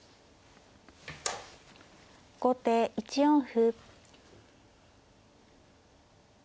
後手１四歩。